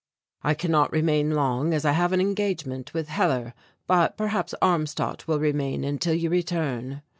"I cannot remain long as I have an engagement with Hellar, but perhaps Armstadt will remain until you return."